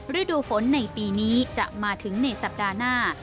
ฤดูฝนในปีนี้จะมาถึงในสัปดาห์หน้า